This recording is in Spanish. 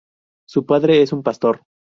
Su padre es un pastor.